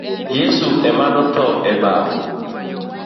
Yeso emanotho e bao.